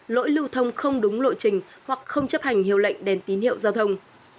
lỗi lưu thông không đúng lộ trình hoặc không chấp hành hiệu lệnh đèn tín hiệu giao thông